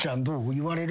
言われる？